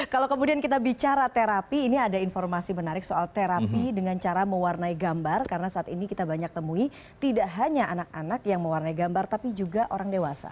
kalau kemudian kita bicara terapi ini ada informasi menarik soal terapi dengan cara mewarnai gambar karena saat ini kita banyak temui tidak hanya anak anak yang mewarnai gambar tapi juga orang dewasa